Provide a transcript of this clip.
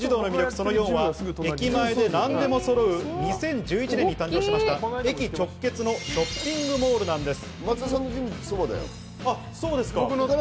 その４は駅前で何でもそろう、２０１１年に誕生した駅直結のショッピングモールなんです。